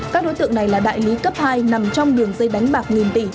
các đối tượng này là đại lý cấp hai nằm trong đường dây đánh bạc nghìn tỷ